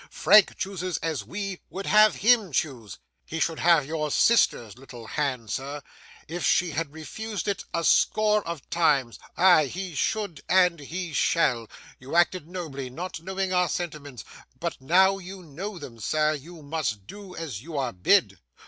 Frank chooses as we would have HIM choose. He should have your sister's little hand, sir, if she had refused it a score of times; ay, he should, and he shall! You acted nobly, not knowing our sentiments, but now you know them, sir, you must do as you are bid.